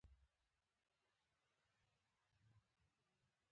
په آیوپک طریقه لومړي سر کې د فلز نوم لیکل کیږي.